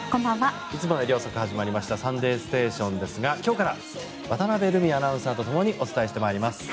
いつもより遅く始まりました「サンデーステーション」ですが今日から渡辺瑠海アナウンサーとともにお伝えしてまいります。